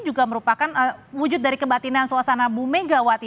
juga merupakan wujud dari kebatinan suasana bu megawati